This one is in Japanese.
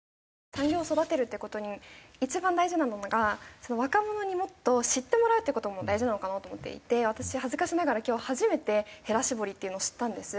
産業を育てるっていう事に一番大事なのが若者にもっと知ってもらうっていう事も大事なのかなと思っていて私恥ずかしながら今日初めてへら絞りっていうのを知ったんです。